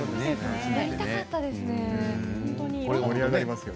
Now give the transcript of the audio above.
やりたかったですね。